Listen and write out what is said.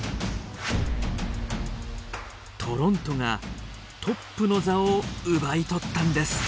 トロントがトップの座を奪い取ったんです。